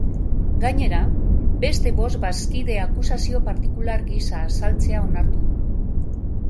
Gainera, beste bost bazkide akusazio partikular gisa azaltzea onartu du.